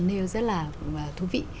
nêu rất là thú vị